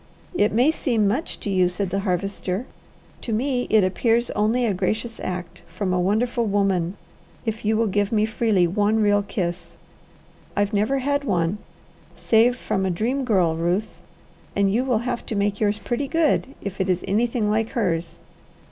"It may seem much to you," said the Harvester; "to me it appears only a gracious act, from a wonderful woman, if you will give me freely, one real kiss. I've never had one, save from a Dream Girl, Ruth, and you will have to make yours pretty good if it is anything like hers.